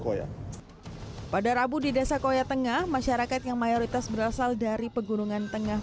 koya pada rabu di desa koya tengah masyarakat yang mayoritas berasal dari pegunungan tengah